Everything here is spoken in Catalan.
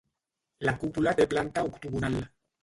La cúpula té planta octogonal.